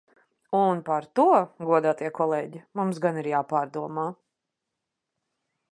Un par to, godātie kolēģi, mums gan ir jāpārdomā!